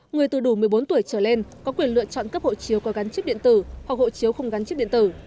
người từ đủ một mươi bốn tuổi trở lên có quyền lựa chọn cấp hộ chiếu có gắn chiếc điện tử hoặc hộ chiếu không gắn chiếc điện tử